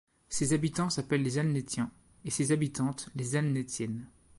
Ses habitants s'appellent les Alnétiens et ses habitantes les Alnétiennes.